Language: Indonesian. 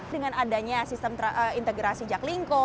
dengan adanya sistem integrasi jaklingko